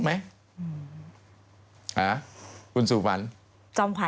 คือบรรยากาศตอนนี้คุณโอ้งอาจบอกเอาไว้